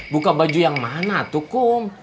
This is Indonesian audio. buka baju yang mana tuh kum